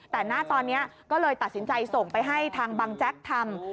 แต่หน้าตอนนี้ก็เลยตัดสินใจส่งไปให้ทางบังแจ๊กทำ